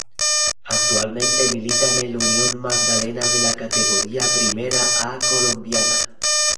Actualmente milita en el Unión Magdalena de la Categoría Primera A colombiana.